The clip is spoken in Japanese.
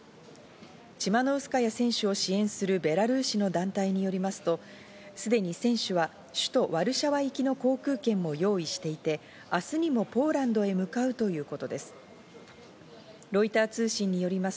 チマノウスカヤ選手を支援するベラルーシの団体によりますとすでに選手は首都ワルシャワ行きの航空券も用意していて、明日にもポーランドへ向かうということです。